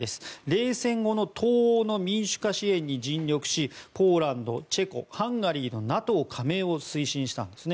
冷戦後の東欧の民主化支援に尽力しポーランド、チェコハンガリーのＮＡＴＯ加盟を推進したんです。